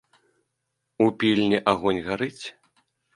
У пільні агонь гарыць?